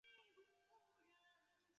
此专辑亦是他首张个人国语大碟。